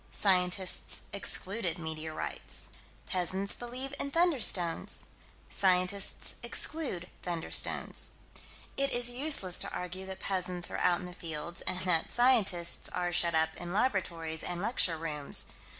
Scientists excluded meteorites. Peasants believe in "thunderstones." Scientists exclude "thunderstones." It is useless to argue that peasants are out in the fields, and that scientists are shut up in laboratories and lecture rooms.